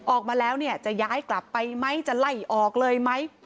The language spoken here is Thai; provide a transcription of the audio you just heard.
ออกมาแล้วเนี่ยจะย้ายกลับไปไหมจะไล่ออกเลยไหม